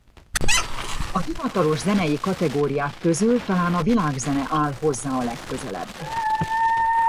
A hivatalos zenei kategóriák közül talán a világzene áll hozzá a legközelebb.